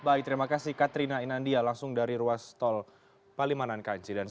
baik terima kasih katrina inandia langsung dari ruas tol palimanan kanci